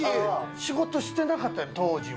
仕事してなかった、当時は。